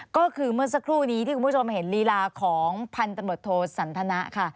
ก็คือเมื่อสักครู่นี้ที่คุณผู้ชมเห็นลีลาของพันธมตโทสันทนะค่ะ